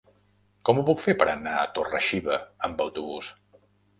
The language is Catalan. Com ho puc fer per anar a Torre-xiva amb autobús?